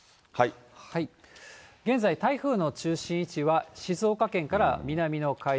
現在、台風の中心位置は静岡県から南の海上。